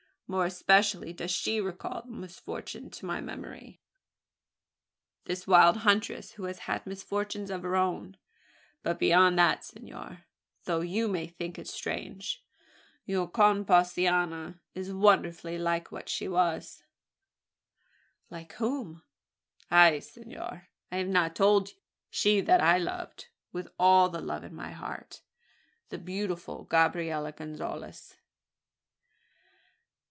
More especially does she recall the misfortune to my memory this wild huntress who has had misfortunes of her own. But beyond that, senor, though you may think it strange, your conpaisana is wonderfully like what she was." "Like whom?" "Ah! senor, I have not told you? She that I loved with all the love in my heart the beautiful Gabriella Gonzales."